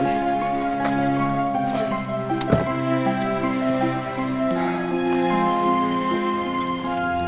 mas aku mau pulang